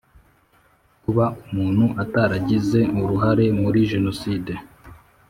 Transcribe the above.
Kuba umuntu ataragize uruhare muri jenoside